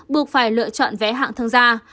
buộc phải lựa chọn vé hạng thương gia